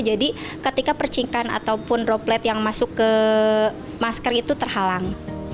jadi ketika percingkan ataupun roplet yang masuk ke masker itu terhalang